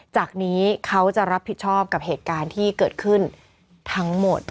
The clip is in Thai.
จากนี้เขาจะรับผิดชอบกับเหตุการณ์ที่เกิดขึ้นทั้งหมด